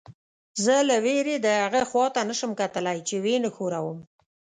زه له وېرې دهغه خوا ته نه شم کتلی چې ویې نه ښوروم.